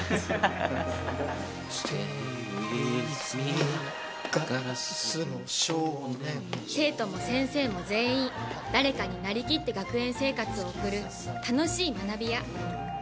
ステイウィズミー、生徒も先生も全員、誰かになりきって学園生活を送る楽しい学び舎。